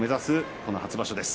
この初場所です。